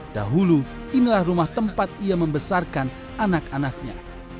dahulu inilah rumah tempat ia membesarkan anak anaknya